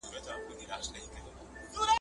د منځنۍ پېړۍ په پای کي د نوي عصر نښې څرګندې سوې.